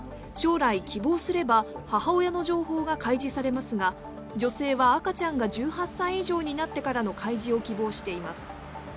将来、希望すれば母親の情報が開示されますが女性は赤ちゃんが１８歳以上になってからの開示を希望しています。